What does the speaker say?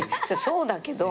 そうだけど。